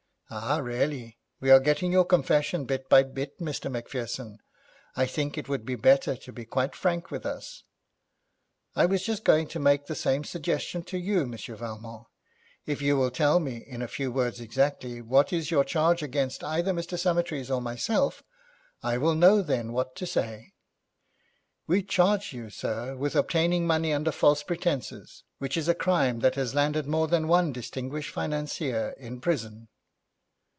'Ah, really. We are getting your confession bit by bit, Mr. Macpherson. I think it would be better to be quite frank with us.' 'I was just going to make the same suggestion to you, Monsieur Valmont. If you will tell me in a few words exactly what is your charge against either Mr. Summertrees or myself, I will know then what to say.' 'We charge you, sir, with obtaining money under false pretences, which is a crime that has landed more than one distinguished financier in prison.'